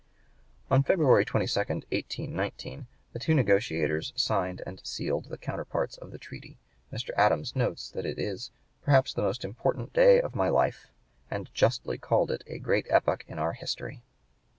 On February 22, 1819, the two negotiators signed and sealed the (p. 116) counterparts of the treaty. Mr. Adams notes that it is "perhaps the most important day of my life," and justly called it "a great epoch in our history."